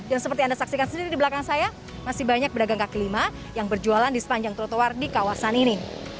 dan seperti anda saksikan sendiri di belakang saya masih banyak pedagang kaki lima yang berjualan di sepanjang trotoar di kawasan ini